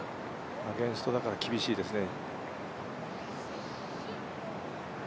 アゲンストだから厳しいですね。